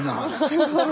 すごい。